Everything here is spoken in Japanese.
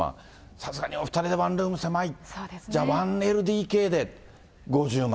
さすがにお２人でワンルーム狭い、じゃあ、１ＬＤＫで５０万。